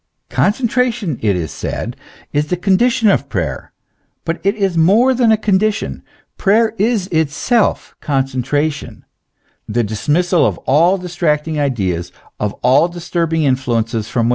Concen tration, it is said, is the condition of prayer : but it is more than a condition ; prayer is itself concentration, the dismissal of all distracting ideas, of all disturbing influences from with * Ja wort.